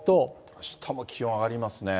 あしたも気温上がりますね。